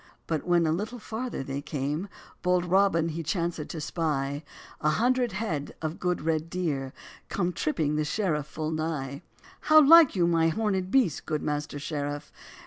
But when a little farther they came, Bold Robin he chancèd to spy A hundred head of good red deer, Come tripping the sheriff full nigh. "How like you my horn'd beasts, good master sheriff?